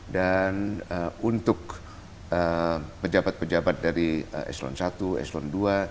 dan untuk pejabat pejabat dari eselon satu eselon dua